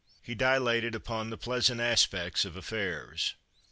He dilated upon the pleasant aspects of affairs.